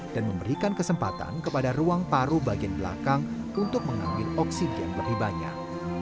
dan memberikan kesempatan kepada ruang paru bagian belakang untuk mengambil oksigen lebih banyak